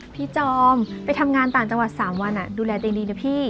พี่จอมไปทำงานต่างจังหวัด๓วันดูแลดีนะพี่